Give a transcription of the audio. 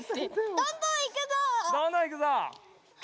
どんどんいくぞ！